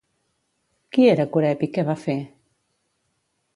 Qui era Coreb i què va fer?